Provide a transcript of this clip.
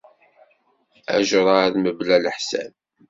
Ajrad mebla leḥsab.